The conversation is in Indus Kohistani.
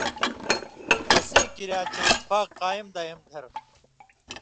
ݜسیں کریا چے اتفاق اتحاد قائم دھرہۡ،